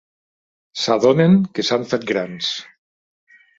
S'adonen que s'han fet grans.